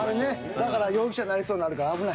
だから容疑者なりそうになるから危ない。